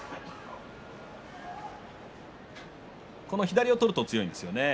左を取ると強いんですよね。